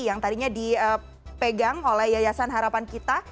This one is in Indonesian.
yang tadinya dipegang oleh yayasan harapan kita